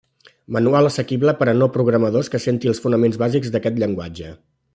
Manual assequible per a no programadors que senti els fonaments bàsics d'aquest llenguatge.